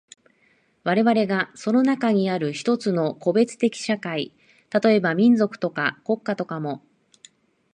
我々がその中にある一つの個別的社会、例えば民族とか国家とかも、